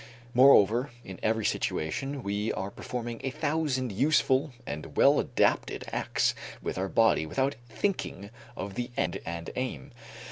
Moreover in every situation we are performing a thousand useful and well adapted acts with our body without thinking of the end and aim.